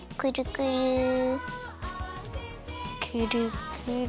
くるくる。